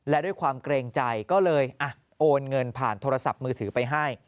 และด้วยความเกรงใจก็เลยโอนเงินผ่านโทรศัพท์มือถือไปให้